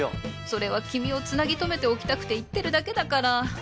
それは君を繋ぎ止めておきたくて言ってるだけだから